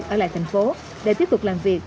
ở lại thành phố để tiếp tục làm việc